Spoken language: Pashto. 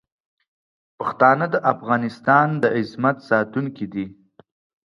پښتانه د افغانستان د عظمت ساتونکي دي.